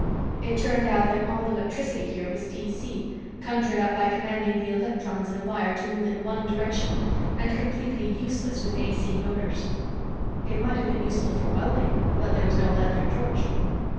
It turned out that all electricity here was d.c., conjured up by commanding the electrons in a wire to move in one direction, and completely useless with a.c. motors. It might have been useful for welding, but there was no electric torch.